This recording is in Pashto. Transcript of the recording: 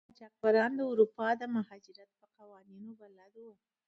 قاچاقبران د اروپا د مهاجرت په قوانینو بلد وو.